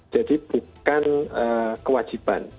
jadi bukan kewajiban